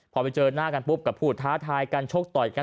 พอไปเจอหน้ากันปุ๊บก็พูดท้าทายกันชกต่อยกัน